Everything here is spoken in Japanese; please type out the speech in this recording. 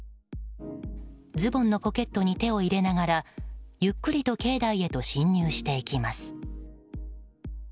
ズボンのポケットに手を入れながら、ゆっくりと境内へと侵入していきます。